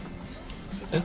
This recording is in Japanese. えっ？